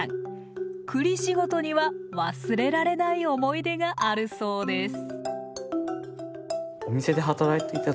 栗仕事には忘れられない思い出があるそうです。